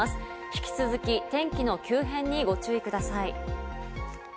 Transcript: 引き続き天気の急変にご注意ください。